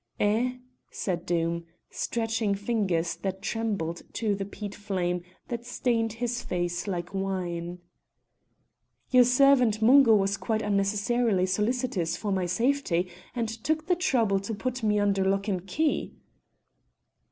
"Eh?" said Doom, stretching fingers that trembled to the peat flame that stained his face like wine. "Your servant Mungo was quite unnecessarily solicitous for my safety, and took the trouble to put me under lock and key."